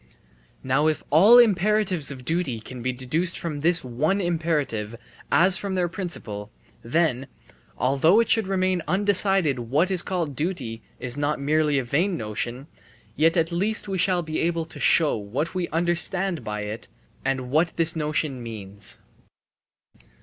Now if all imperatives of duty can be deduced from this one imperative as from their principle, then, although it should remain undecided what is called duty is not merely a vain notion, yet at least we shall be able to show what we understand by it and what this notion means.